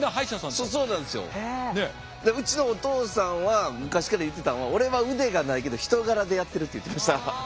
うちのお父さんは昔から言ってたんは「俺は腕がないけど人柄でやってる」って言ってました。